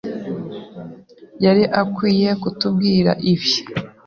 yari akwiye kutubwira ibi.